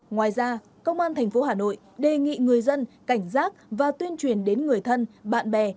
ngoài ra công an tp hà nội đề nghị người dân cảnh giác và tuyên truyền đến người thân bạn bè